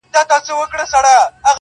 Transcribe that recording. تفکر د عقل نښه ده.